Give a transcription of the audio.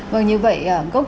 vâng như vậy cốc